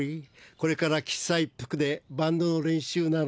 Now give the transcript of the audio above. これから喫茶一服でバンドの練習なのです。